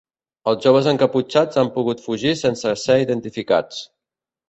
Els joves encaputxats han pogut fugir sense ser identificats.